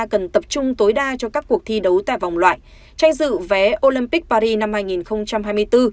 cần tập trung tối đa cho các cuộc thi đấu tại vòng loại tranh dự vé olympic paris năm hai nghìn hai mươi bốn